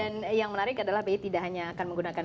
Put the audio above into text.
dan yang menarik adalah pii tidak hanya akan menggunakan